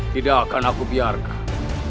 tidak akan aku biarkan